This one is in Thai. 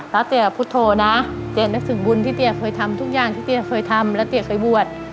รักเตี๋ยวกับพุทธโทนะเตี๋ยวรักถึงบุญที่เตี๋ยวเคยทำทุกอย่างที่เตี๋ยวเคยทำและเขาเคยบวช